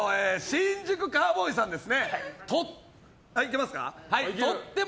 新宿カウボーイさんです。